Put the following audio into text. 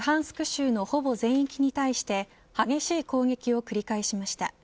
州のほぼ全域に対して激しい攻撃を繰り返しました。